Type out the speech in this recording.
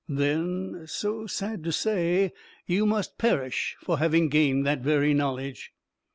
Then, so sad to say, you must perish for having gained that very knowledge."